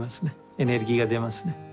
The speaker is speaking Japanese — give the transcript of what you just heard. エネルギーが出ますね。